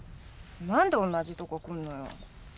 何で同じとこ来るのよ